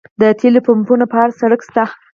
د تیلو پمپونه په هر سړک شته